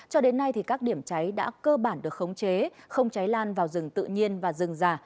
cho đến nay các điểm cháy đã cơ bản được khống chế không cháy lan vào rừng tự nhiên và rừng rà